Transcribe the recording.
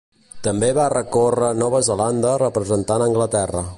També va recórrer Nova Zelanda representant Anglaterra.